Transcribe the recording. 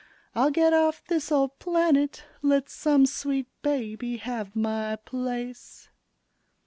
I'll get off this old planet, Let some sweet baby have my place.